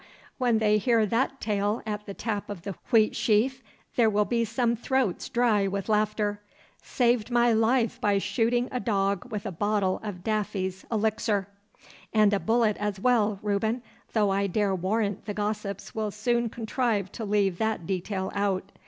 When they hear that tale at the tap of the Wheatsheaf, there will be some throats dry with laughter. Saved my life by shooting a dog with a bottle of Daffy's elixir!' 'And a bullet as well, Reuben, though I dare warrant the gossips will soon contrive to leave that detail out.